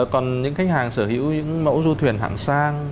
còn những khách hàng sở hữu những mẫu du thuyền hạng sang